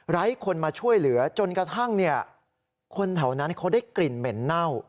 คนมาช่วยเหลือจนกระทั่งคนแถวนั้นเขาได้กลิ่นเหม็นเน่า